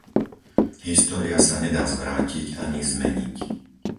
História sa nedá zvrátiť, ani zmeniť.